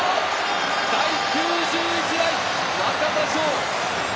第９１代・中田翔！